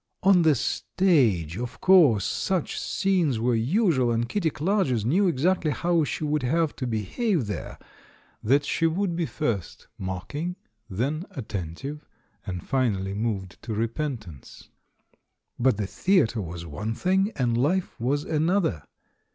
On the stage, of course, such scenes were usual, and Kitty Clarges knew exactly how she would have to behave there — that she would be first mocking, then attentive, and finally moved to repentance. But the the atre was one thing, and life was another.